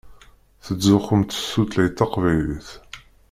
Tettzuxxumt s tutlayt taqbaylit.